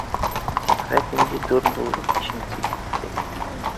Сәғәт инде дүрт булып, бишенсе китте